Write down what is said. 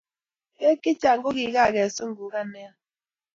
Bek chechang kokikakesungukan nea